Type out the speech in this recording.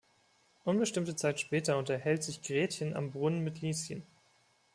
Unbestimmte Zeit später unterhält sich Gretchen "am Brunnen" mit Lieschen.